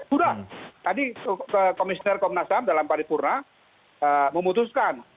sudah tadi komisner komnas ham dalam pari purna memutuskan